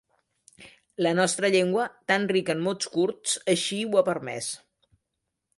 La nostra llengua, tan rica en mots curts, així ho ha permès.